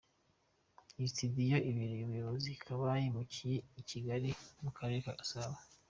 Iyi situdiyo abereye umuyobozi ikaba yarimukiye i Kigali mu Karere ka Gasabo.